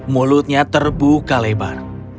mulutnya terbuka lebar